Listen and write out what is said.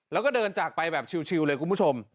แล้วก็เดินจากไปแบบชิวเลยคุณผู้ชม